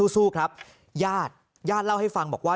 สู้ครับญาติญาติเล่าให้ฟังบอกว่า